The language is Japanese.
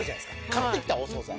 買ってきたお総菜。